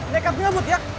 nekap nyebut yak